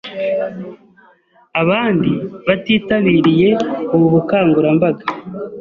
Abandi batitabiriye ubu bukangurambaga